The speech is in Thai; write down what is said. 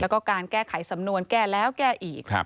แล้วก็การแก้ไขสำนวนแก้แล้วแก้อีก